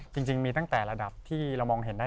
จริงมีตั้งแต่ระดับที่เรามองเห็นได้